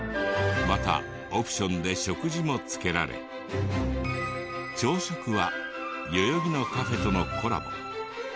またオプションで食事も付けられ朝食は代々木のカフェとのコラボ。